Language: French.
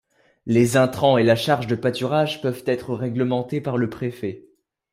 Les intrants et la charge de pâturage peuvent être réglementés par le préfet.